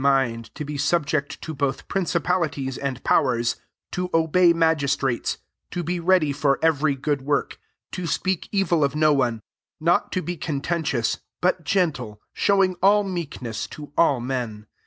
1 Put Ihcm in tnind to be subject to [both] princi palities and powers, to obey magistrates, to be ready for every good work, 2 to speak evil of no one, not to be con tentious, but gentle, showing all meekness to all men.